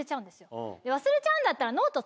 忘れちゃうんだったら。